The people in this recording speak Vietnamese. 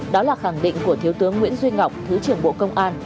đó là khẳng định của thiếu tướng nguyễn duy ngọc thứ trưởng bộ công an